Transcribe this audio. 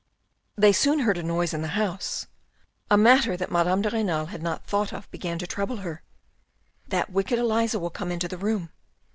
They soon heard a noise in the house. A matter that Madame de Renal had not thought of began to trouble her. "That wicked Elisa will come into the room.